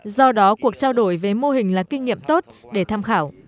do đó cuộc trao đổi về mô hình là kinh nghiệm tốt để tham khảo